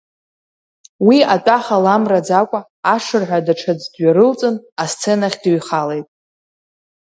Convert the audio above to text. Уи атәаха ламраӡакәа, ашырҳәа даҽаӡә дҩарылҵын, асценахь дыҩхалеит.